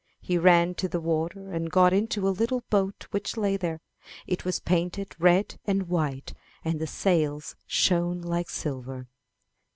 He ran to the water and got into a little boat which lay there; it was painted red and white, and the sails shone like silver.